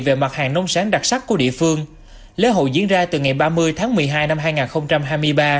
về mặt hàng nông sáng đặc sắc của địa phương lễ hội diễn ra từ ngày ba mươi tháng một mươi hai năm hai nghìn hai mươi ba